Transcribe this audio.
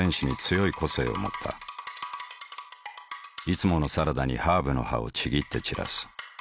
いつものサラダにハーブの葉をちぎって散らす。